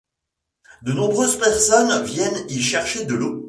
De nombreuses personnes viennent y chercher de l’eau.